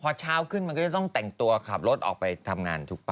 พอเช้าขึ้นมันก็จะต้องแต่งตัวขับรถออกไปทำงานถูกป่